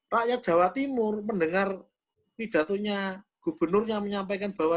rakyat jawa timur mendengar pidatunya gubernurnya menyampaikan bahwa